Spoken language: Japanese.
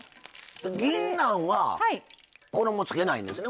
ぎんなんは衣、つけないんですね？